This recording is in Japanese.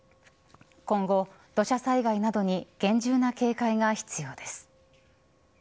今後、土砂災害などに厳重な警戒が必要です。